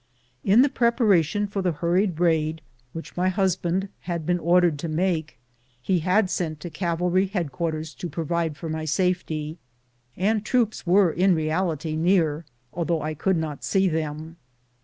In the preparation for the hurried raid which my husband had been ordered to make he had sent to cavalry head quarters to provide for my safety, and troops were in reality near, although I could not see tliem.